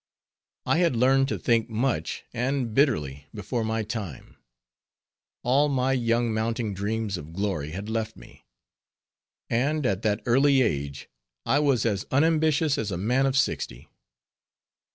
I had learned to think much and bitterly before my time; all my young mounting dreams of glory had left me; and at that early age, I was as unambitious as a man of sixty.